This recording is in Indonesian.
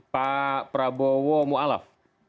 pak prabowo mu'alaf